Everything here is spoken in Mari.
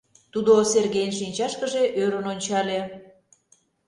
Тудо Сергейын шинчашкыже ӧрын ончале.